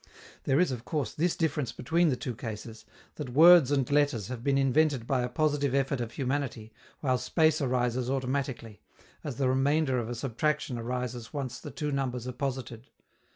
There is, of course, this difference between the two cases, that words and letters have been invented by a positive effort of humanity, while space arises automatically, as the remainder of a subtraction arises once the two numbers are posited.